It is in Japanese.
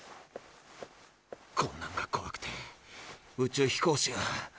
こんなのがこわくて宇宙飛行士が。